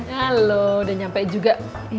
halo udah nyampe juga